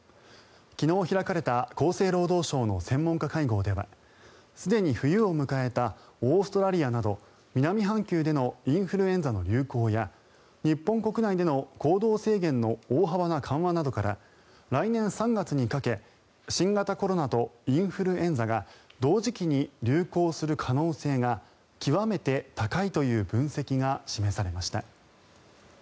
昨日開かれた厚生労働省の専門家会合ではすでに冬を迎えたオーストラリアなど南半球でのインフルエンザの流行や日本国内での行動制限の大幅な緩和などから来年３月にかけ新型コロナとインフルエンザが同時期に流行する可能性が極めて高いという分析が示されました。